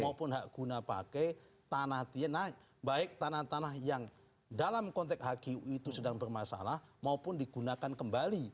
maupun hak guna pakai tanah baik tanah tanah yang dalam konteks hgu itu sedang bermasalah maupun digunakan kembali